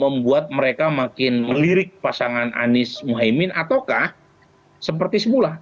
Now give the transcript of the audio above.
membuat mereka makin melirik pasangan anies mohaimin ataukah seperti semula